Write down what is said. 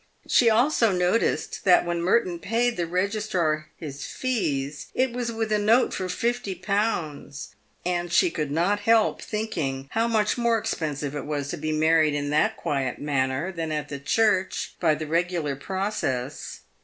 She also noticed that when Merton paid the Registrar his fees, it was with a note for 501., and she could not help thinking how much more expensive it was to be married in that quiet manner than at the church by the regular process.